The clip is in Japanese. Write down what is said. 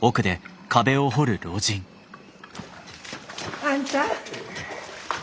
あんた。